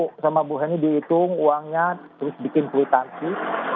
kejadian itu dihitung uangnya terus bikin kuitansi